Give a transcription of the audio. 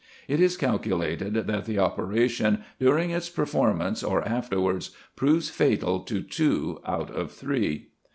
It is calculated, that the operation, during its performance or afterwards, proves fatal to two out of three.